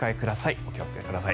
お気をつけください。